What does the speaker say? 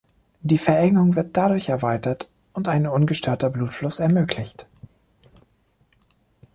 Die Verengung wird dadurch erweitert und ein ungestörter Blutfluss ermöglicht.